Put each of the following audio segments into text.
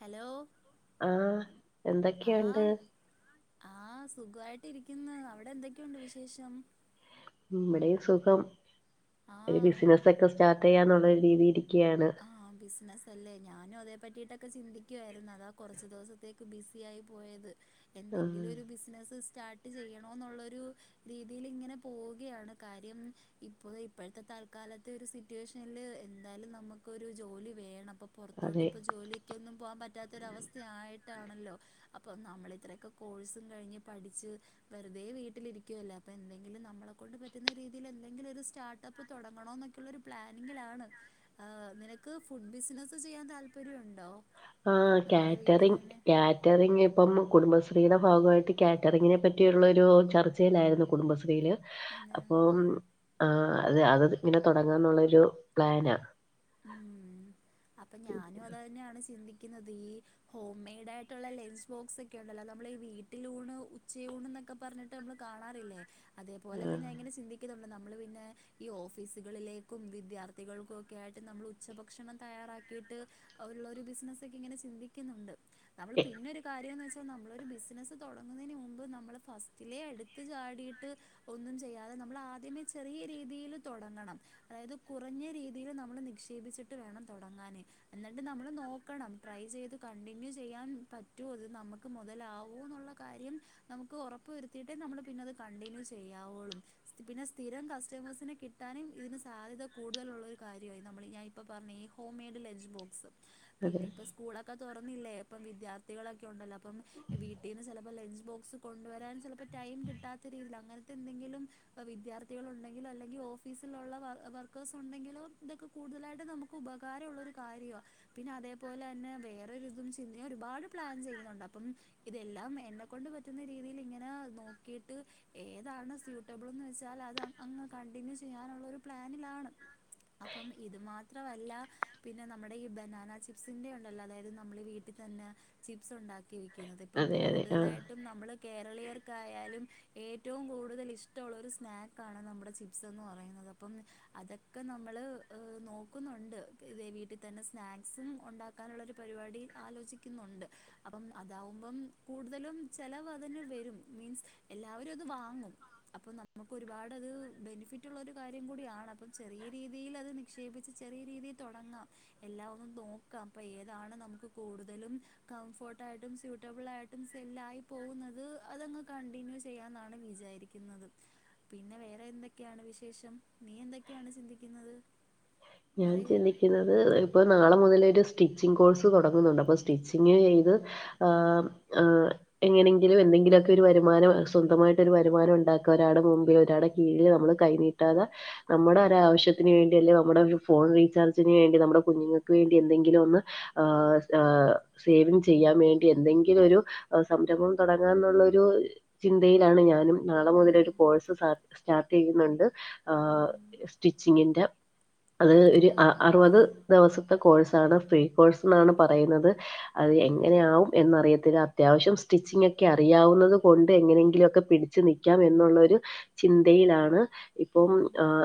Hello ആ ആ എന്തൊക്കെയുണ്ട് ആ സുഘായിട്ട് ഇരിക്ക്ന്ന് അവിടെ എന്തൊക്കെയുണ്ട് വിശേഷം ഇവിടെയും സുഖം ഒരു ആ ബിസിനസൊക്കെ സ്റ്റാർട്ട് ചെയ്യാന്നുള്ള രീതി ഇരിക്കയാണ് ആ ബിസിനസ്സ് അല്ലേ ഞാനും അതേ പറ്റിട്ടൊക്കെ ചിന്തിക്കുകയായിര്ന്ന് അതാ കൊറച്ചു ദിവസത്തേക്ക് ബിസി ആയി പോയത് എന്തെങ്കിലും ആഹ് ഒരു ബിസിനസ്സ് സ്റ്റാർട്ട് ചെയ്യണോ ന്ന്ള്ളൊരു രീതിയിൽ ഇങ്ങനെ പോവുകയാണ് കാര്യം ഇപ്പോ ഇപ്പോഴത്തെ തൽക്കാലത്തെ ഒരു സിറ്റുവേഷനിൽ എന്തായാലും നമക്ക് ക്കൊരു ജോലി വേണം അപ്പോ പൊറത്തോട്ട് അതെ ഇപ്പോ ജോലിക്കൊന്നും പോകാൻ പറ്റാത്തൊരവസ്ഥയായിട്ടാണല്ലോ അപ്പോ നമ്മളിത്രേക്കെ കോഴ്സും കഴിഞ്ഞ് പഠിച്ച് വെറുതെ വീട്ടിലിരിക്കുവല്ലെ അപ്പ എന്തെങ്കിലും നമ്മളെ കൊണ്ട് പറ്റുന്ന രീതിയിൽ എന്തെങ്കിലും ഒരു സ്റ്റാർട്ട പ്പ് തൊടങ്ങണോ എന്നൊക്കെയുള്ള ഒരു പ്ലാനിങ്ങിലാണ് ആഹ് നിനക്ക് ഫുഡ് ബിസിനസ്സ് ചെയ്യാൻ താല്പര്യവോണ്ടോ ആ ക്യാറ്ററിങ് ക്യാ റ്ററിഗിപ്പം കുടുംബശ്രീയുടെ ഭാഗാവായിട്ട് ക്യാറ്ററിങ്ങിനെ പറ്റിയുള്ളൊരു ചർച്ചയിലാരുന്നു കുടുംബശ്രീല് അന്ന് അപ്പം ആഹ് അത് അതിങ്ങനെ തൊടങ്ങന്നോള്ളോരു പ്ലാനാ ഉം അപ്പ ഞാനും അത് തന്നെയാണ് ചിന്തിക്കുന്നത് ഈ ഹോം മെയ്ടായിട്ടുള്ള ലഞ്ച് ബോക്സക്കെ ഒണ്ടല്ലോ നമ്മള് ഈ വീട്ടിലൂണ് ഉച്ചയൂണന്നൊക്കെ പറഞ്ഞി ട്ട് നമ്മള് കാണാറില്ലേ അതേപോലെക്കെ ആഹ് ഞാൻ ഇങ്ങനെ ചിന്തി ക്കുന്നോണ്ട് നമ്മള് പിന്നെ ഈ ഓഫീസുകളിലേക്കും വിദ്യാർത്ഥികൾക്കൊക്കെയാ ട്ട് നമ്മള് ഉച്ചഭക്ഷണം തയ്യാറാക്കിയിട്ട് ഒള്ളോരു ബിസിനസക്കെ ഇങ്ങനെ ചിന്തിക്കുന്നോണ്ട് നമ്മള് പിന്നെരു കാര്യംന്ന് വെച്ചാ നമ്മളൊരു ബിസിനസ്സ് തൊടങ്ങുനേന് മുമ്പ് നമ്മള് ഫസ്റ്റിലെ എടുത്ത് ചാടിട്ട് ഒന്നും ചെയ്യാതെ നമ്മള് ആദ്യമേ ചെറിയ രീതിയില് തൊടങ്ങണം അതായത് കുറഞ്ഞ രീതിയില് നമ്മള് നിക്ഷേപിച്ചിട്ട് വേണം തൊടങ്ങാന് ന്നിട്ട് നമ്മള് നോക്കണം ട്രൈ ചെയ്ത് കണ്ടിന്യൂ ചെയ്യാൻ പറ്റൊ ഇത് നമ്മ ക്ക് മോതലാവോന്നുള്ള കാര്യം നമുക്ക് ഒറപ്പ് വരുത്തിയിട്ടേ നമ്മള് പിന്നെ അത് കണ്ടിന്യൂ ചെയ്യാവോള് പിന്നെ സ്ഥിരം കസ്റ്റമേഴ്സിനെ കി ട്ടാന് ഇതിന് സാധ്യത കൂടുതലോള്ളോരു കാര്യാ നമ്മള് ഞാൻ ഇപ്പ പറഞ്ഞ ഈ ഹോം മെയ്ഡ് ലഞ്ച് ബോക്സ് അതെ പിന്നെ ഇപ്പ സ്കൂളൊക്കെ തൊറന്നില്ലേ അപ്പം വിദ്യാർത്ഥികളൊക്കെ ഒണ്ടല്ലോ അപ്പം വീട്ടീന്ന് ചെലപ്പോ ലഞ്ച് ബോക്സ് കൊണ്ടുവരാൻ ചെലപ്പോ ടൈം കിട്ടാത്ത രീതിയിൽ അങ്ങനത്തെ എന്തെങ്കിലും വിദ്യാർത്ഥികളോണ്ടങ്കിലോ അല്ലെങ്കി ഓഫിസിലുള്ള വർക്കേഴ്സ് ഒണ്ടങ്കിലോ ഇതൊക്കെ കൂടുതലായിട്ട് നമുക്ക് ഉപകാരവോള്ളൊരു കാര്യവാ പിന്നെ അതേപോലെ തന്നെ വേറോരിതും ചിന്ത ഒരുപാട് പ്ലാൻ ചെയ്യുന്നോണ്ട് അപ്പം ഇതെല്ലാം എന്നെ കൊണ്ട് പറ്റുന്ന രീതില് ഇങ്ങനെ നോക്കിട്ട് ഏതാണ് സ്യൂട്ടബിളന്ന് വെച്ചാ അത് അങ്ങ് കണ്ടിന്യൂ ചെയ്യാനോള്ളോരു പ്ലാനിലാണ് അപ്പം ഇത് മാത്രവല്ല പിന്നെ നമ്മടെ ഈ ബനാന ചിപ്സിന്റെ ഒണ്ടല്ലോ അതായത് നമ്മള് വീട്ടി തന്നെ ചിപ്സ് ഒണ്ടാക്കി വി ക്കുന്നത് ഇപ്പം അതെ അതെ ആഹ് കൂടുതലായിട്ടും നമ്മള് കേരളീയർക്കായാലും ഏറ്റോം കൂടുതൽ ഇഷ്ട്ടവൊള്ളൊരു സ്നാക്കാണ് നമ്മടെ ചിപ്സന്ന് പറയുന്നത് അപ്പം അതക്കെ ന മ്മള് നോക്കുന്നോണ്ട് വീട്ടിൽ തന്നെ സ്നാക്സും ഒണ്ടാക്കാനുള്ളൊരു പരിപാടി ആലോചിക്കുന്നോണ്ട് അപ്പം അതാവുമ്പം കൂടുതലും ചെലവ് അതിന് വരും മീൻസ് എല്ലാവരും അത് വാങ്ങും അപ്പോ നമുക്കൊരുപാടത് ബെനിഫിറ്റൊള്ളോരു കാര്യം കൂടിയാണ് അപ്പം ചെറിയ രീതിയിലത് നിക്ഷേപിച്ച് ചെറിയ രീതി തൊടങ്ങാം എല്ലാവൊന്നു നോക്കാം അപ്പോ ഏതാണ് നമുക്ക് കൂടുതലും കംഫോർട്ടായിട്ടും സ്യൂട്ടബിളായിട്ടും സെല്ലായി പോകുന്നത് അതങ്ങ് കണ്ടിന്യൂ ചെയ്യാന്നാണ് വിചാരി ക്കുന്നത് പിന്നെ വേറെ എന്തൊക്കെയാണ് വിശേഷം? നീ എന്തൊക്കെയാണ് ചിന്തിക്ക ക്കുന്നത് ഞാൻ ചിന്തി ക്കുന്നത് ഇപ്പോ നാളെ മുതലൊരു സ്റ്റിച്ചിങ് കോഴ്സ് തൊടങ്ങുന്നോണ്ട് അപ്പോ സ്റ്റിച്ചിങ്ങ് ചെയ്ത് ആഹ് ആഹ് എങ്ങനെങ്കിലും എന്തെങ്കിലുക്കെ ഒരു വരുമാനം സ്വന്തമായിട്ട് ഒരു വരുമാനം ഉണ്ടാക്കുക. ഒരാളടെ മുമ്പിൽ ഒരാളുടെ കീഴിൽ നമ്മള് കൈനീട്ട ട്ടാതെ നമ്മടെ ഒരാവശ്യത്തിന് വേണ്ടി അല്ലെ നമ്മുടെ ഫോൺ റീചാർജിന് വേണ്ടി നമ്മടെ കുഞ്ഞുങ്ങൾക്ക് വേണ്ടി എന്തെങ്കിലും ഒന്ന് ഏഹ് സേവിങ് ചെയ്യാവേണ്ടി എന്തെങ്കിലും ഒരു സംരംഭം തുടങ്ങാന്നുള്ളരു ചിന്തയിലാണ് ഞാനും നാളെ ഉം മുതലൊരു കോഴ്സ് സ്റ്റാർട്ട് ചെയ്യുന്നുണ്ട് ഉം സ്റ്റിച്ചിങ്ങിന്റെ അത് ഒരു ആ അറുപത് ദിവസത്തെ കോഴ്സാണ് ഫ്രീ കോഴ്സന്നാണ് പറയുന്നത് അത് ഉം എങ്ങനെയാവും എന്നറിയത്തില്ല. അത്യാവശ്യം സ്റ്റിച്ചിങ്ങോക്കെ അറിയാവുന്നത് കൊണ്ട് എങ്ങനെങ്കിലൊക്കെ പി ടിച്ച് നിക്കാം എന്നുള്ളൊരു ചിന്തയിലാണ് ഇപ്പം ഉം ആ ഉം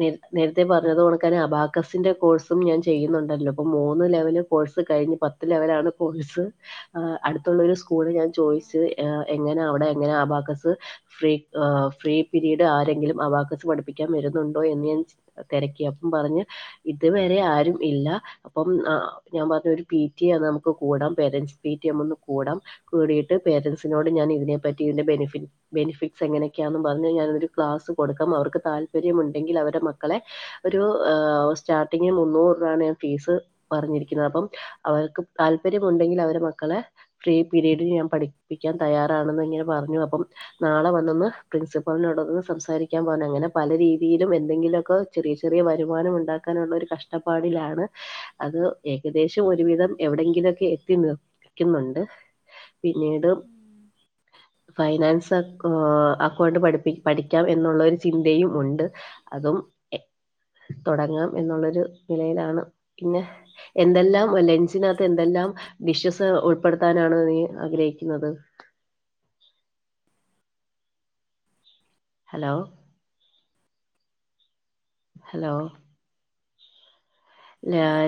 നേ നേരത്തെ പറഞ്ഞതണക് അബാസിന്റെ കോഴ്സും ഞാൻ ചെയ്യുന്നുണ്ടല്ലോ ഇപ്പ മൂന്ന് ലെവല് കോഴ്സ് കഴിഞ് പ ത്ത് ലെവലാണ് കോഴ്സ് അടുത്തുള്ള ഒരു സ്കൂള് ഞാൻ ആ ചോയി എങ്ങനെ അവിടെ അങ്ങനെ അബാക്കസ് ഫ്രീ ഫ്രീ പിരീഡ് ആരെങ്കിലും അബാക്കസ് പഠിപ്പിക്കാൻ വരുന്നുണ്ടോ എന്ന്ഞാൻ തിരക്കി അപ്പം പറഞ്ഞ് ഇതുവരെ ആരും ഇല്ല. അപ്പം ഞൻ പറഞ്ഞ ഒരു പി ടി എ നമുക്ക് കൂടാം പേരൻസ് പി ടി അമ്മക്ക് ഒന്ന് കൂടാം കൂടിയിട്ട് പേരൻറ്സിനോട് ഞാൻ ഇതിനെപ്പറ്റി ഇന്റെ ബെനിഫിറ്റ് ബെനിഫിറ്റ്സ് എങ്ങനെയൊക്കെയാന്ന് പറഞ്ഞ കഴിഞ്ഞ ഞാനൊരു ക്ലാസ് കൊടുക്കാം അവർക്ക് താല്പര്യമ ഉണ്ടെങ്കിൽ അവരു മക്കളെ ഒരു സ്റ്റാർട്ടിംഗിൽ മുന്നൂറ് രൂപയാണ് ഞാൻ ഫീസ് പറഞ്ഞിരിക്കുന്നത് അപ്പം അവർക്ക് താല്പര്യമ ഉണ്ടെങ്കിൽ അവര് മക്കളെ ഫ്രീ പീരീഡിൽ ഞാൻ പഠിപ്പിക്കാൻ തയ്യാറാണെന്ന് ഇങ്ങനെ പറഞ്ഞു അപ്പം നാളെ വന്നന്ന് പ്രിൻസിപ്പളിനോട്ന്ന് സംസാരിക്കാൻ പോകെ അങ്ങനെ പല രീതിയിലും എന്തെങ്കിലുമൊക്കെ ചെറിയ ചെറിയ വരുമാനം ഉണ്ടാക്കാനുള്ള ഒരു കഷ്ടപ്പാടിലാണ് അത് ഏകദേശം ഉം ഒരുവിധം എവിടെയങ്കിലൊക്കെ എത്തി നിർക്കുന്നുണ്ട് പിന്നീട് ഉം ഫൈനാൻസ് അക്കൗണ്ട് പഠിപ്പിക്ക പഠിക്കാം എന്നുള്ളൊരു ചിന്തയും ഉണ്ട് അതും തുടങ്ങാം എന്നുള്ളൊരു നിലയിലാണ് പിന്നെ എന്തെല്ലാം ലഞ്ചിനകത്ത് എന്തെല്ലാം ഡിഷ്യസ് ഉൾപ്പെടുത്താനാണ് നീ ആഗ്രഹിക്കുന്നത് ഹലോ ഹലോ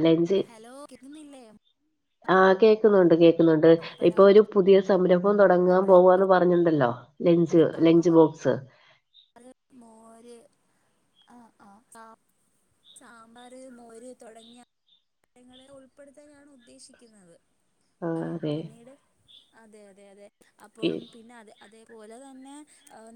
ലഞ്ച് ഹലോ കേക്കുന്നില്ലേ ആഹ് കേൾക്കുന്നുണ്ട് കേൾക്കുന്നുണ്ട് പപ്പടം ഇപ്പൊ ഒരു പുതിയ സംരം ഭം തുടങ്ങാൻ പോവാന്ന് പറഞ്ഞിണ്ടല്ലോ ലഞ്ച് ലഞ്ച് ബോക്സ് അത് മോര് ആ ആ സാമ്പാർ, മോര് തുടങ്ങിയ നങ്ങളെ ഉൾപ്പെടുത്താനാണ് ഉദ്ദേശിക്കുന്നത് ആഹ് പിന്നീട് അതെ അതെ അതെ പി അപ്പം പിന്നെ അത് അതേപോലെ തന്നെ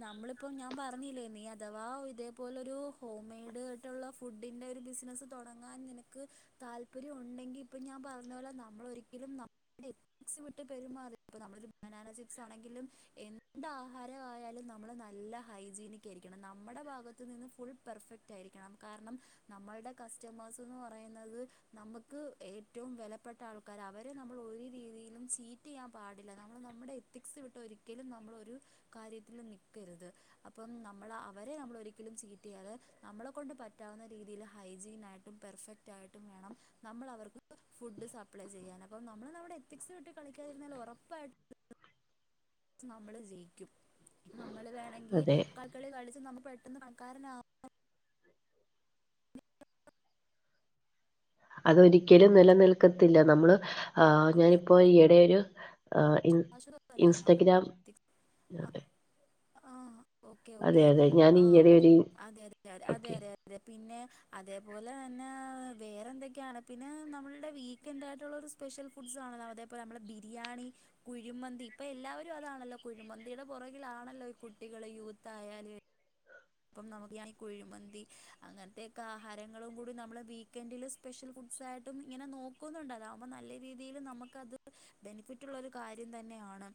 നമ്മളിപ്പോം ഞാൻ ഞാൻ പറഞ്ഞില്ലേ നീ അഥവാ ഇതേപോലെ ഒരു ഹോം മെയ്ഡ് ആയിട്ടുള്ള ഫുഡിന്റെ ഒരു ബിസിനസ് തുടങ്ങാൻ നിനക്ക് താല്പര്യം ഉണ്ടെങ്കിൽ ഇപ്പം ഞാൻ പറഞ്ഞ പോലെ നമ്മള ഒരിക്കലും അവി എക്സിമിട്ട് പെരുമാറി ഇപ്പ നമ്മളൊരു ബനാന ചിപ്സ് ആണെങ്കിലും എന്ത് ആഹാര ആയാലും നമ്മള് നല്ല ഹൈജീനിക്ക ആയിരിക്കണം നമ്മുടെ ഭാഗത്തു നിന്ന് ഫുൾ പെർഫെക്റ്റ് ആയിരിക്കണം കാരണം നമ്മളുടെ കസ്റ്റമേഴ്സ് എന്ന് പറയുന്നത് നമുക്ക് ഏറ്റവും വിലപ്പെട്ട ആൾ ൾക്കാരാ അവരെ നമ്മൾ ഒരു രീതിയിലും ചീറ്റ് ചെയ്യാൻ പാടില്ല നമ്മൾ നമ്മുടെ എത്തിക്സ് വിട്ട് ഒരിക്കലും നമ്മളൊരു കാര്യത്തിലും നിക്കരുത് അപ്പം നമ്മള അവരെ നമ്മളൊരിക്കലും ചീറ്റ് ചെയ്യാതെ നമ്മളെക്കൊണ്ട് പറ്റാവുന്ന രീതിയിൽ ഹൈജീൻ ആയിട്ടും പെർഫെക് റ്റായിട്ടും വേണം നമ്മൾ അവർക്ക് ഫുഡ് സപ്ലൈ ചെയ്യാൻ അപ്പം നമ്മള് നമ്മുടെ എത്തിക്സ് കിട്ടി കളിക്കാതിരുന്നാൽ ഉറപ്പായിട്ടും നമ്മള് ജയിക്കും നമ്മള് വേണെങ്കി അതെ കക്കളി കളിച്ച് നമ്മ പെട്ടെന്ന് പണക്കാരനാ അതൊരിക്കലും നിലനിൽക്കത്തില്ല നമ്മള് ആ ഞാനിപ്പൊ ഈയിടെ ഒരു ആഹ് ഇൻ ആവശ്യമല്ല നമ്മൾ ഇൻസ്റ്റഗ്രാം ആഹ് ഓക്കേ അതെ ഓക്കേ അതെ ഞാൻ ആം ഈയിടെ ഒരു അതെതെ ഓക്കെ അതെതെ അതെ പിന്നെ അതേപോലെ തന്നെ വേറെ എന്തൊക്കെയാണ് പിന്നെ നമ്മളുടെ വീക്കെന്റായിട്ടുള്ളൊരു സ്പെഷ്യൽ ഫുഡ്സ് ആണല്ലോ അതേപോലെ നമ്മളെ ബിരിയാണി കുഴിമന്തി ഇപ്പൊ എല്ലാവരും അതാണല്ലോ കുഴിമന്തിയുടെ പുറകിലാണല്ലോ ഈ കുട്ടികള് യൂത്ത് ആായാല് അപ്പം നമുക്ക് ഈ കുഴിമന്തി അങ്ങനത്തെെയൊക്കെ ആഹാരങ്ങളും കൂടി നമ്മള് വീക്കെന്റില് സ്പെഷ്യൽ ഫുഡ്സായിട്ടും ഇങ്ങനെ നോക്കുന്നുണ്ട് അതാവുമ്പോ നല്ല രീതിയില് നമുക്കത് ബെനിഫിറ്റ് റ്റുള്ളൊരു കാര്യം തന്നെ ആണ്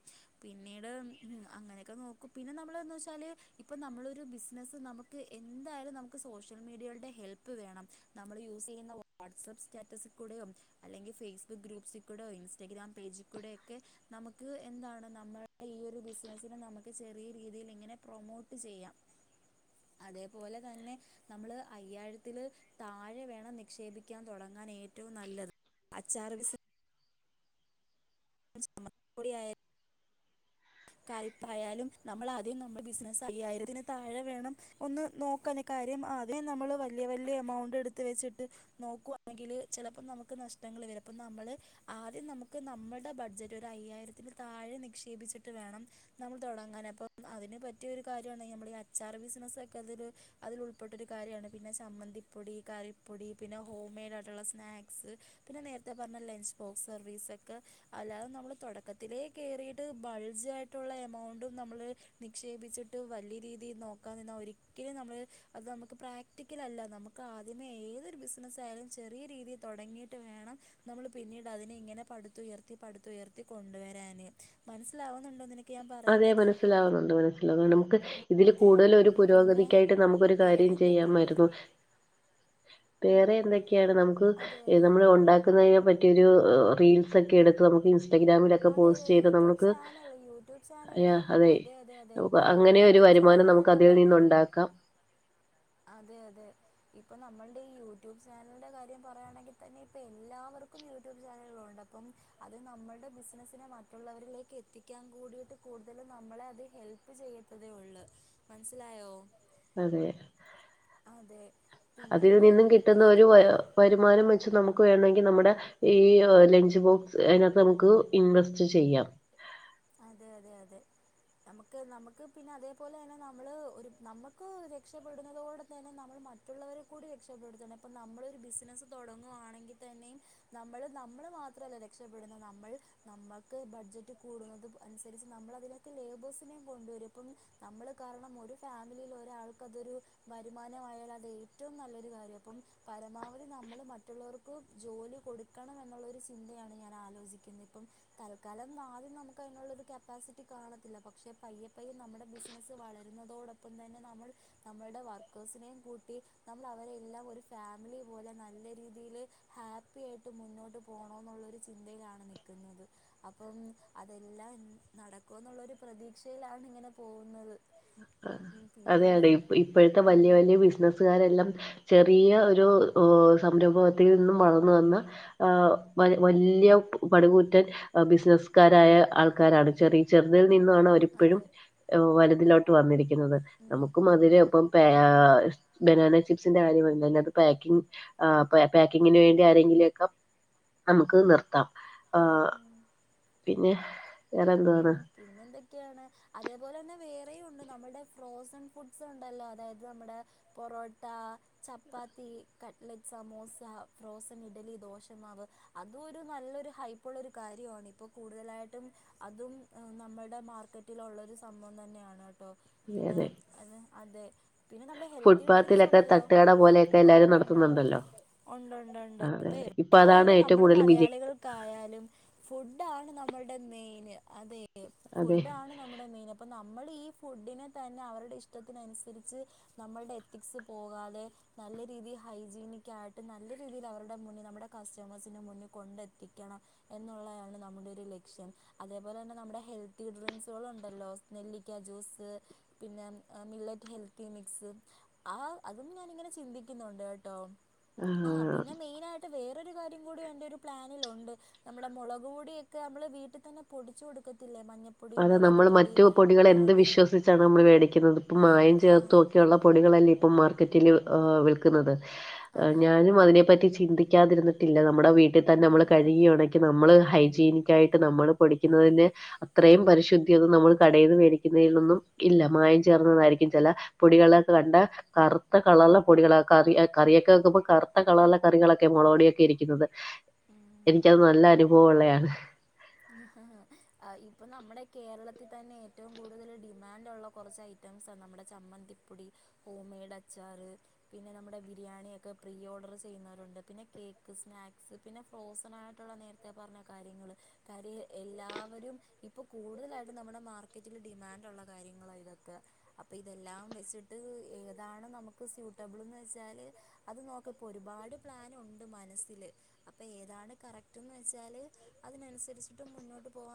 പിന്നീട് ഉം അങ്ങനെക്കെ നോക്കും പിന്നെ നമ്മള്ന്ന് വെച്ചാല് ഇപ്പ നമ്മളൊരു ബിസ് നസ് നമ്ക്ക് എന്തായാലും നമുക്ക് സോഷ്യൽ മീഡിയൾടെ ഹെൽപ്പ് വേണം നമ്മള് യൂസെയ്യുന്ന വ വാട്സപ്പ് സ്റ്റാറ്റസി കുടെയോ അല്ലെങ്കി ഫേസ്ബുക്ക് ഗ്രൂപ്പ്സിക്കൂടോ ഇൻസ്റ്റാഗ്രാം പേജി കൂടെക്കെ നമുക്ക് എന്താണ് നമ്മടെ ഈ ഒരു ബിസിനസ്സിനെ നമക്ക് ചെറിയ രീതിലിങ്ങനെ പ്രൊമോട്ട് ചെയ്യാം അതേപോലെ തന്നെ നമ്മള് അയ്യായിരത്തില് താഴെ വേണം നിക്ഷേപിക്കാൻ തൊടങ്ങാൻ ഏറ്റവും നല്ലത് അച്ചാറ് ബിസ് [unintelligible] കറിപ്പായാലും നമ്മൾ ആദ്യം നമ്മുടെ ബിസിനസ്സ് അയ്യായിരത്തിന് താഴെ വേണം ഒന്ന് നോക്കാന് കാര്യം ആദ്യം നമ്മള് വല്ല്യ വല്ല്യ എമൗണ്ട് എട്ത്ത് വെച്ചിട്ട് നോക്കുവാണെങ്കില് ചെലപ്പം നമുക്ക് നഷ്ടങ്ങള് വരും അപ്പം നമ്മള് ആദ്യം നമുക്ക് നമ്മടെ ബഡ്ജറ്റ് ഒരയ്യായ്രത്തിന് താഴെ നിക്ഷേപിച്ചി ട്ട് വേണം നമ്മൾ തൊടങ്ങാൻ അപ്പം അതിന് പറ്റിയ ഒരു കാര്യാണ് നമ്മള് ഈ അച്ചാർ ബിസിനസ്സെക്കെ അതൊര് അതിൽ ഉൾപ്പെട്ടൊരു കാര്യാണ് പിന്നെ ചമ്മന്തിപ്പൊടി കറിപ്പൊടി പിന്നെ ഹോം മെയ്ഡ് ആയ്ട്ടുള്ള സ്നാക്സ് പിന്നെ നേര്ത്തെ പർഞ്ഞെ ലഞ്ച് ബോക്സ് സർവീസൊക്കെ അല്ലാതെ നമ്മള് തൊടക്കത്തിലേ കേറീട്ട് ബൾ ജായിട്ടൊള്ള എമൗണ്ടും നമ്മള് നിക്ഷേപിച്ചിട്ട് വല്ല്യ രീതീ നോക്കാ നിന്നാ ഒരി ക്കലും നമ്മൾ അത് നമ്മക്ക് പ്രാക്ടിക്കലല്ല നമുക്കാദ്യമേ ഏതൊരു ബിസിനസ്സായാലും ചെറിയ രീതീ തൊടങ്ങി ട്ട് വേണം നമ്മള് പിന്നീട് അതിനെ ഇങ്ങനെ പടുത്തുയർത്തി പടുത്തയർത്തി കൊണ്ടുവരാന് മൻസ് ലാവുന്നുണ്ടോ നിന അതെ മനസ്സിലാവുന്നുണ്ട് മനസ്സിലാവുന്നുണ്ട് ക്ക് ഇതില് കൂടുതല് ഒരു പിന്നെ പുരോഗതിക്കായിട്ട് നമുക്കൊരു വേറെ കാര്യം എന്തൊക്കെയുണ്ട് ചെയ്യാമായിരുന്നു വേറെ എന്തൊക്ക്യാണ് നമ്മക്ക് അതെ അതെ നമ്മള് [unintelligible] ഒണ്ടാ കുന്നേനെ പറ്റിയൊരു റീൽസക്കെ എടുത്ത് നമുക്ക് ഇൻസ്റ്റാഗ്രാമിലൊക്കെ അതെ അതെ പോസ്റ്റെയ്ത് യൂട്യൂബ് നമുക്ക് ചാനൽ യൂട്യൂബ് ചാനൽ അയാ അതെയ് അതെ അതെ അതെ നമുക്ക് ഇപ്പൊ യൂ അങ്ങനെ ഒരു യൂട്യൂബ് വരുമാനം ചാനൽ തന്നെ നമുക്കതി ഉണ്ടല്ലോ നിന്നുണ്ടാ അതെ അതെ ഇപ്പൊ നമ്മൾടയീ യൂട്യൂബ് ചാനൽന്റെ കാര്യം പറയാണെങ്കി തന്നെ ഇപ്പൊ എല്ലാവർക്കും യൂട്യൂബ് ചാനലൊണ്ട പ്പം അത് നമ്മൾടെ ബിസ്നസ്സിനെ മറ്റുള്ളവരിലേക്ക് എത്തിക്കാൻ കൂടീട്ട് കൂട്തലും നമ്മളെ അത് ഹെൽ പ്പ് ചെയ്യെത്തതേ ഒള്ള് മൻസ്സിലായോ അതെ അതിൽ പിന്നീട് നിന്നും കിട്ടുന്ന വേറെ ഒരു വര് വരുമാനം വെച്ച് നമുക്ക് വേണ്വെങ്കി നമ്മുടെ ഈ ഏഹ് ലഞ്ച് ബോക്സ് അയ്നാത്തമ്ക്ക് ഇൻവെസ്റ്റ് ചെയ്യാം അതെ അതെ അതെ നമുക്ക് നമുക്ക് പിന്നെ അതേപോലെന്നെ നമ്മള് ഒരു നമുക്ക് രക്ഷപ്പെടുന്നതോടെ തന്നെ നമ്മള് മ റ്റുള്ളവരെ കൂടി രക്ഷപ്പെടുത്തണം ഇപ്പം നമ്മളൊരു ബിസിനസ്സ് തുടങ്ങുവാണെങ്കി തന്നെയും നമ്മൾ നമ്മൾ മാത്രല്ല രക്ഷപ്പെടുന്നെ നമ്മൾ നമ്മക്ക് ബഡ്ജറ്റ് കൂടുന്നത് അൻസര്ച്ച് നമ്മളതിലേക്ക് ലേബേഴ്സിനെം കൊണ്ടുവരും അപ്പം നമ്മള് കാരണം ഒരു ഫാമിലിൽ ഒരാൾക്ക് അതൊരു വരുമാനമായാൽ അത് ഏറ്റോം നല്ലൊരു കാര്യം അപ്പം പരമാവധി നമ്മള് മറ്റുള്ളവർ ക്ക് ജോലി കൊടുക്കണം എന്നുള്ളൊരു ചിന്തയാണ് ഞാൻ ആലോചിക്ക്ന്നെ ഇപ്പം തൽക്കാലം മാ നമുക്ക് അയ്നൊള്ളൊരു കപ്പാസിറ്റി കാണത്തില്ല പക്ഷേ പയ്യെപ്പയ്യ നമ്മടെ ബിസിനസ്സ് വളര്ന്നതോടൊപ്പം തന്നെ നമ്മൾ നമ്മൾടെ വർക്കേഴ്സിനെം കൂട്ടി നമ്മളവരെ എല്ലാം ഒരു ഫാമിലി പോലെ നല്ല രീതീല് ഹാപ്പി ആയ്ട്ട് മുന്നോട്ട് പോണോന്നൊള്ളൊരു ചിന്തയിലാണ് നിക്ക്ന്നത് അപ്പം അതെല്ലാം നടക്കോന്നൊള്ളൊരു പ്രതീക്ഷയിലാണ് ഇങ്ങനെ പോവുന്നത് അതെ അതെ ഇ ഇപ്പഴ്ത്തെ വല്ല്യ ഉം, വല്ല്യ ബിസ്നസ് സ്കാരെല്ലാം ചെറിയ ഒരൂ ഏഹ് സംരംഭവത്തീ നിന്നും വളർന്ന് വന്ന ആഹ് വ വല്ല്യ പട്കൂറ്റൻ ബിസിനസ്കാരായ ആൾക്കാരാണ് ചെറി ചെർതിൽ ഉം, നിന്നുവാണവരിപ്പഴും അതെ വല്തിലോട്ട് വന്നിരിക്കുന്നത് ഉം, നമുക്കും ഉം. അതിരെ ഒപ്പം ബാ ബെനാന ചിപ്സിന്റെ കാര്യം പർഞ്ഞയിഞ്ഞാത് പാക്കിങ് ആ പാ പാക്കിങ്ങിന് വേണ്ടി ആരെങ്കിലൊക്കെ നമുക്ക് നിർത്താം ആ പിന്നെ ഉം വേറെന്തുവാണ് പിന്നെന്തൊക്കെയാണ് അതേപോലെ തന്നെ വേറെയും ഉണ്ട് നമ്മുടെ ഫ്രോസൺ ഫുഡ്സ് ഒണ്ടല്ലോ അതായത് നമ്മുടെ പൊറോട്ടാ ചപ്പാത്തി കട്ലെറ്റ് സമോസ ഫ്രോസൺ ഇഡ്ലി ദോശമാവ് അതുരു നല്ലൊരു ഹൈപ്പ്ള്ളൊരു കാര്യാണ് ഇപ്പോ കൂടുതലായിട്ടും അതും നമ്മുടെ മാർക്കറ്റിലുള്ളൊരു സംഭവം തന്നെയാണ് കേട്ടോ പിന്നെ വേറെ അത് അതെ പിന്നെ നമ്മുടെ ഹെൽത്തി ഡ്രിങ്ക്സ് ഫുട്പാത്തിലൊക്കെ ഉണ്ടല്ലോ തട്ടുകട പോലെയൊക്കെ എല്ലാരും ഒണ്ട്ണ്ട് ഒണ്ട് നടത്തുന്നുണ്ടല്ലോ ഒണ്ട് ഒണ്ട് ഒണ്ട് അതെ അപ്പൊ അതെ ഇപ്പൊ എവിടെ അതാണ് ആയാലും ഏറ്റവും നമ്മള് കൂടുതൽ വിജയി മലയാളികൾ ക്കായാലും ഫുഡാണ് നമ്മളുടെ മെയിന് അതെ അതെ ഫുഡാണ് നമ്മുടെ മെയിന് അപ്പം നമ്മൾ ഈ ഫുഡിനെ തന്നെ അവരുടെ ഇഷ്ടത്തിനനുസരിച്ച് നമ്മളുടെ എത്തിക്സ് പോകാതെ നല്ല രീതി ഹൈജീനിക്കായിട്ട് നല്ലൊരു രീതിയിൽ അവരുടെ മുന്നി നമ്മുടെ കസ്റ്റമേഴ്സിന്റെ മുന്നീ കൊണ്ടെത്തിക്കണം എന്നുള്ളെയാണ് നമ്മുടെ ഒരു ലക്ഷ്യം അതേപോലെ തന്നെ നമ്മുടെ ഹെൽത്തി ഡ്രിങ്ക്സുകളുണ്ടല്ലോ സ് നെല്ലിക്ക ജ്യൂസ് പിന്നെ മില്ലറ്റ് ഹെൽത്തി മിക്സും ആഹ് അതും ഞാനിങ്ങനെ ചിന്തിക്കുന്നുണ്ട് കേട്ടോ ആ ആഹ് പിന്നെ മെയിനായിട്ട് ട്ട് വേറൊരു കാര്യം കൂടി എന്റെ ഒരു പ്ലാനിലുണ്ട് നമ്മുടെ മുളക് പൊടിയൊക്കെ നമ്മള് വീട്ടിതന്നെ പൊടിച്ചു കൊടുക്കത്തില്ലേ മഞ്ഞ അതെ നമ്മൾ മറ്റു പൊടികൾ എന്ത് വിശ്വസിച്ചാണ് നമ്മൾ മേടിക്കുന്നത് ഇപ്പ മായം ആ ചേർ തോക്കിയുള്ള പൊടികളല്ലേ ഇപ്പം മാർ റ്റില് വിൽക്കുന്നത് അതെ ഞാനും അതിനെ പറ്റി ചിന്തിക്കാതിരുന്ന് ട്ടില്ല നമ്മുടെ വീട്ടിൽ തന്നെ ഉം നമ്മള് കഴുകി ഒണക്കി നമ്മള് ഹൈജീനിക്കായിട്ട് നമ്മള് പൊടിക്കുന്നതന്നെ ഇത്രയും പരിശുദ്ധി അത് നമ്മൾ കടയിൽ മേടിക്കുന്നതിലൊന്നും ഇല്ല മായം ചേർന്നതായിരിക്കും ചെല പൊടികളൊക്കെ കണ്ട കറുത്ത കളറുള്ള പൊടികള കറി കറിയൊക്കെ വെക്കുമ്പോൾ കറുത്ത കളറുള്ള കറികളൊക്കെ മുളകൊടിയൊക്കെ ഇരിക്കുന്നത് ഉം എനിക്കത് നല്ല അനുഭവം ഉള്ളയാണ് ഇപ്പൊ നമ്മുടെ കേരളത്തിൽ തന്നെ ഏറ്റവും കൂടുതൽ ഡിമാൻഡ് ഉള്ള കുറച്ച് ഐ റ്റംസ് നമ്മുടെ ചമ്മന്തിപ്പൊടി ഹോം മെയ്ഡ് അച്ചാറ് പിന്നെ നമ്മുടെ ബിരിയാണിയൊക്കെ പ്രീ ഓർഡർ ചെയ്യുന്നവരുണ്ട് പിന്നെ കേക്ക് സ്നാക്സ് പിന്നെ ഫ്രോസനായിട്ടുള്ള നേര ത്തെ പറഞ്ഞ കാര്യങ്ങൾ കാര്യ എല്ലാവരും ഇപ്പൊ കൂടുതലായിട്ടും നമ്മുടെ മാർക്കറ്റിൽ ഡിമാൻഡ് ഉള്ള കാര്യങ്ങളാ ഇതൊക്കെ അപ്പൊ ഇതെല്ലാം വെച്ചിട്ട് ഏതാണ് നമുക്ക് സ്യൂട്ടബിൾന്ന് വെച്ചാല് അത് നോക്ക്പ്പോ ഒരുപാട് പ്ലാനുണ്ട് മനസ്സില് അപ്പൊ ഏതാണ് കറക്ട്ന്ന് വെച്ചാല് അതിനനുസരിച്ചിട്ട് മുന്നോട്ട് പോവാ